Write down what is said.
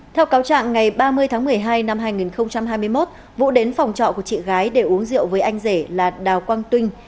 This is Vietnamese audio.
theo cáo trạng ngày ba mươi tháng một mươi hai năm hai nghìn hai mươi một vũ đến phòng trọ của chị gái để uống rượu với anh rể là đào quang tuyên